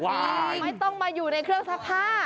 ไม่ต้องมาอยู่ในเครื่องซักผ้า